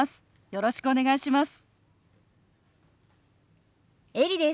よろしくお願いします。